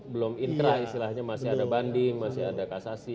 belum intrah masih ada banding masih ada kasasi